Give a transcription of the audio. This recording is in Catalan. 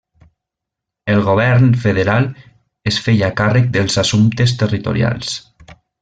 El govern federal es feia càrrec dels assumptes territorials.